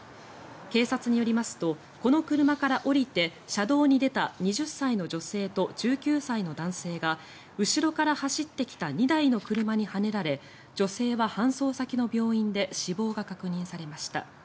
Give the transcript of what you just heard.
警察によりますとこの車から降りて車道に出た２０歳の女性と１９歳の男性が後ろから走ってきた２台の車にはねられ女性は搬送先の病院で死亡が確認されました。